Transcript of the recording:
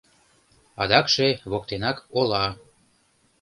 Адакше — воктенак ола.